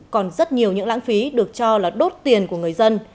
còn rất nhiều những lãng phí được cho là đốt tiền của người dân